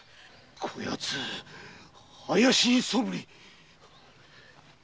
こやつ怪しい素振り。